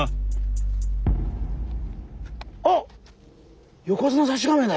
あっ！